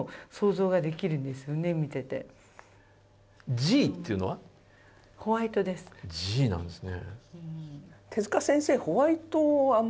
Ｇなんですね。